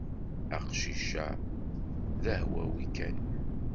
Aqcic-a d ahwawi kan.